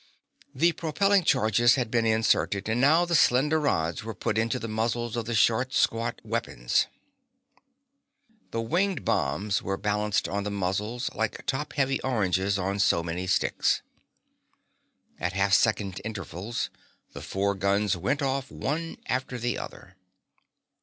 The propelling charges had been inserted, and now the slender rods were put into the muzzles of the short, squat weapons. The winged bombs were balanced on the muzzles like top heavy oranges on as many sticks. At half second intervals, the four guns went off one after the other.